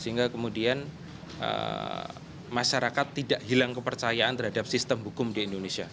sehingga kemudian masyarakat tidak hilang kepercayaan terhadap sistem hukum di indonesia